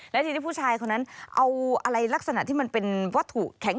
ในที่ผู้ชายคนนั้นเอาอะไรที่เป็นวัตถุแข็ง